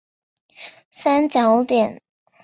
三角点。